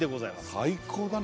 最高だね